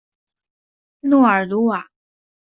诺尔鲁瓦。